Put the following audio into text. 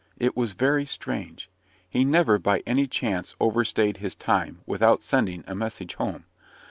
It was very strange. He never by any chance overstayed his time, without sending a message home.